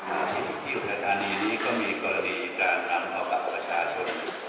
อาทิตย์ที่อุทัยธานีนี้ก็มีกรณีการนำเทาปักประชาชน